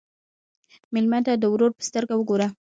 مېلمه ته د ورور په سترګه وګوره.